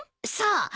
そう。